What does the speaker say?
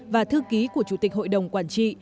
và thư ký của chủ tịch hội đồng quản trị